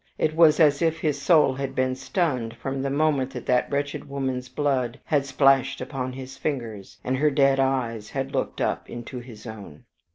It was as if his soul had been stunned, from the moment that that wretched woman's blood had splashed upon his fingers, and her dead eyes had looked up into his own.